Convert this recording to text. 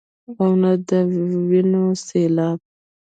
او نۀ د وينو سيلاب ،